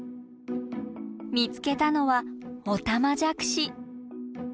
見つけたのはオタマジャクシ。